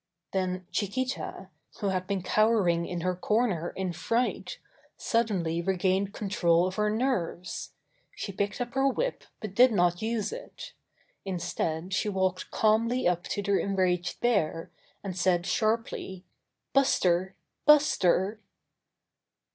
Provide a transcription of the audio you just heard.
Then Chiquita, who had been cowering in her corner in fright, suddenly regained con 76 Buster the Bear trol of her nerves. She picked up her whip, but did not use it. Instead she walked calmly up to the enraged bear, and said sharply: "Buster! Buster!"